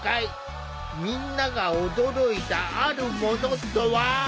みんなが驚いたあるものとは？